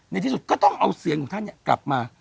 ในที่สุดก็ต้องเอาเสียงของท่านกลับมา